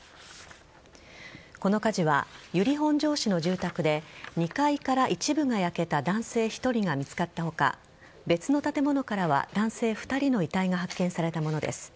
この火事は由利本荘市の住宅で２階から一部が焼けた男性１人が見つかった他別の建物からは男性２人の遺体が発見されたものです。